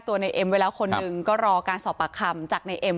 ในเอ็มไว้แล้วคนหนึ่งก็รอการสอบปากคำจากในเอ็ม